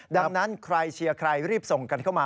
ดังนั้นใครเชียร์ใครรีบส่งกันเข้ามา